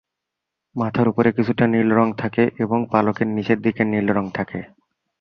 মাথার উপরে কিছুটা নীল রং থাকে এবং পালকের নিচের দিকে নীল রং থাকে।